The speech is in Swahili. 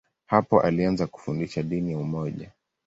Hapo alianza kufundisha dini ya umoja.